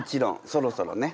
そろそろね。